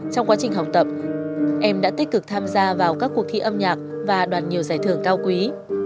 trong quá trình học tập em đã tích cực tham gia vào các cuộc thi âm nhạc và đoàn nhiều giải thưởng cao quý